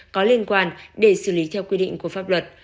có liên quan để xử lý theo quy định của pháp luật